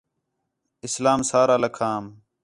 اسلام سارا لَکھام